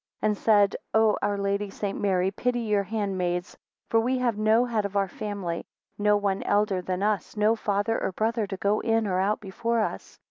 22 And said, O our Lady St. Mary, pity your handmaids, for we have no head of our family, no one elder than us; no father or brother to go in or out before us.